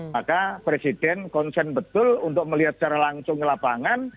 maka presiden konsen betul untuk melihat secara langsung ke lapangan